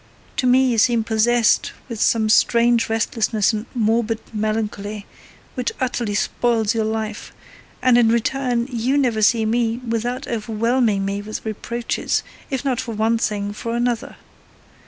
To me you seem possessed with some strange restlessness and morbid melancholy which utterly spoils your life, and in return you never see me without overwhelming me with reproaches, if not for one thing, for another.